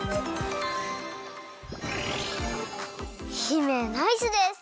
姫ナイスです！